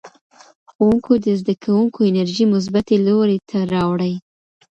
ښوونکی د زدهکوونکو انرژي مثبتې لوري ته راوړي.